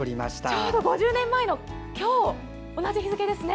ちょうど５０年前の今日、同じ日付ですね。